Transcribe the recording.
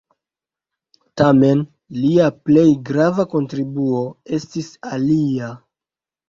Tamen, lia plej grava kontribuo estis alia.